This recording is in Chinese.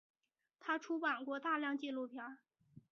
他出版过大量纪录片。